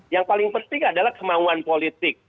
yang paling penting adalah kemauan politik